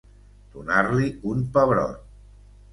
Donar-li un pebrot.